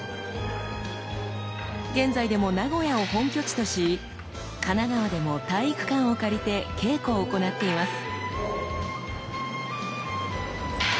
現在でも名古屋を本拠地とし神奈川でも体育館を借りて稽古を行っています。